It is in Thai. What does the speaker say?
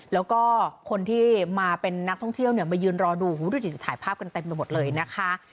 แล้วก็คนที่มาเป็นนักท่องเที่ยวเนี่ยมายืนรอดูถ่ายภาพกันเต็มไปหมดเลยนะคะ